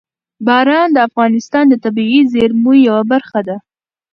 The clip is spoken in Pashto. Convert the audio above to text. باران د افغانستان د طبیعي زیرمو یوه برخه ده.